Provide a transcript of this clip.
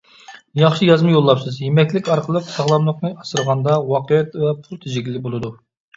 ياخشى يازما يوللاپسىز. يېمەكلىك ئارقىلىق ساغلاملىقنى ئاسرىغاندا ۋاقىت ۋە پۇل تېجىگىلى بولىدۇ.